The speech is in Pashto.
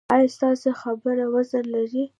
ایا ستاسو خبره وزن لري؟